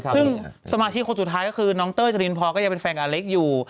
ซึ่งสมาธิคนสุดท้ายก็คือน้องเต้ยจรินพรก็ยังเป็นแฟนอเล็กอยู่